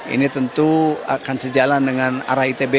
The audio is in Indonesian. ini tentu akan sejalan dengan arah itb